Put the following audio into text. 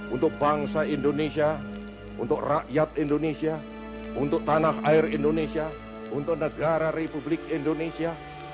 untuk bangsa indonesia untuk rakyat indonesia untuk tanah air indonesia untuk negara republik indonesia